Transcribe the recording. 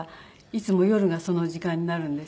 いつも夜がその時間になるんですけど。